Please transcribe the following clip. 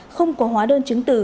không có hóa đơn chứng tử